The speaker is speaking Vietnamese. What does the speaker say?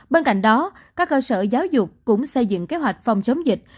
bên cạnh đó các cơ sở giáo dục cũng xây dựng kế hoạch phòng chống dịch